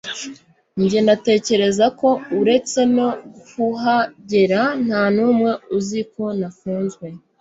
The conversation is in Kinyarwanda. njye natekereza ko uretse no kuhagera nta numwe uzi ko nafunzwe